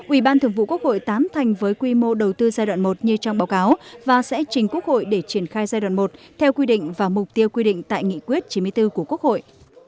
ủy ban thường vụ quốc hội tám thành với quy mô đầu tư giai đoạn một như trong báo cáo và sẽ trình quốc hội để triển khai giai đoạn một theo quy định và mục tiêu quy định tại nghị quyết chín mươi bốn của quốc hội